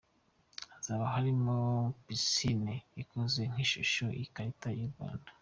Hakazaba harimo na Piscine ikoze nkishusho yikarita yu Rwanda.